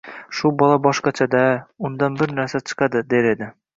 – Shu bola boshqachada! Undan bir narsa chiqadi, – der edi.